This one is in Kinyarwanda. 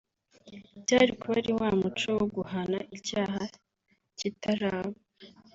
byari kuba ari wa muco wo guhana icyaha kitaraba